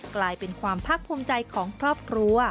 กลายเป็นความภาคภูมิใจของครอบครัว